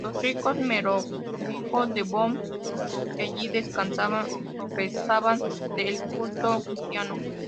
Los ricos merovingios de Bonn que allí descansaban profesaban el culto cristiano.